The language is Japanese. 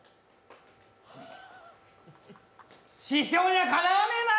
師匠にはかなわねぇなあ！